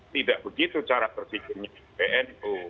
tidak begitu cara terfikirnya pbnu